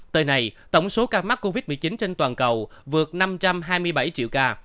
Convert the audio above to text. tới nay tổng số ca mắc covid một mươi chín trên toàn cầu vượt năm trăm hai mươi bảy triệu ca